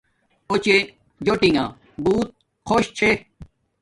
اوچے جوٹنݣ بوت خوش چحے